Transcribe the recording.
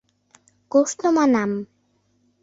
«Кушто?» — манам.